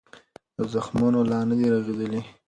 زخمونه لا نه دي رغېدلي.